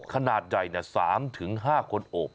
ขนาดใหญ่๓๕คนโอบ